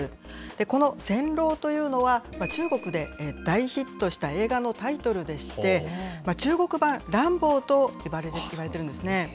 この戦狼というのは、中国で大ヒットした映画のタイトルでして、中国版ランボーと呼ばれてるんですね。